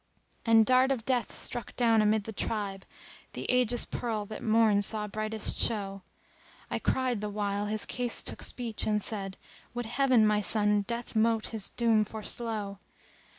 And dart of Death struck down amid the tribe * The age's pearl that Morn saw brightest show: I cried the while his case took speech and said:—* Would Heaven, my son, Death mote his doom foreslow!